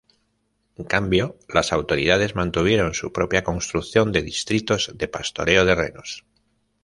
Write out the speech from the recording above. En cambio, las autoridades mantuvieron su propia construcción de distritos de pastoreo de renos.